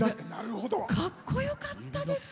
かっこよかったです！